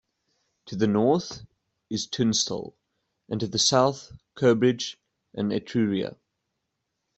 To the north is Tunstall and to the south Cobridge and Etruria.